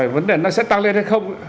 vấn đề nó sẽ tăng lên hay không